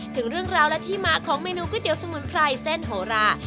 ถึงเรื่องราวและที่มาของเมนูก๋วสมุนไพรเส้นโหรา